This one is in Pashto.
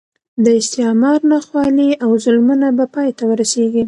د استعمار ناخوالې او ظلمونه به پای ته ورسېږي.